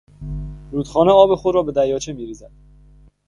رودخانه آب خود را به دریاچه میریزد.